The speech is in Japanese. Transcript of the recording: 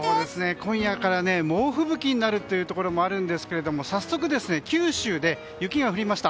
今夜から猛吹雪になるというところもあるんですが早速、九州で雪が降りました。